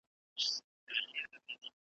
تر څنګ د زورورو زړه ور مه کښېنه متل دی,